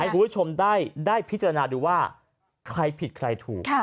คุณผู้ชมได้พิจารณาดูว่าใครผิดใครถูก